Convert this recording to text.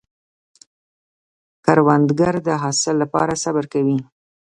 کروندګر د حاصل له پاره صبر کوي